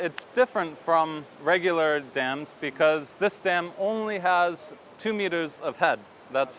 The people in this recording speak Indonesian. kami menggunakan dam yang biasa karena dam ini hanya memiliki dua meter kaki